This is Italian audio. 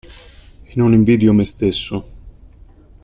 E non invidio me stesso.